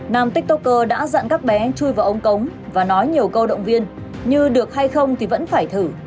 nam tiktoker đã dặn các bé chui vào ống cống và nói nhiều câu động viên như được hay không thì vẫn phải thử